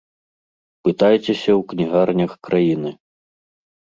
Пытайцеся ў кнігарнях краіны!